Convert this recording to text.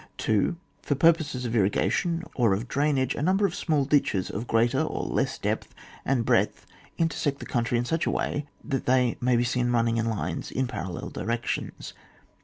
2. For purposes of irrigation or of drainage, a number of small ditches of greater or less depth and breadth inter sect the country in such a way that they may be seen running in lines in parallel directions.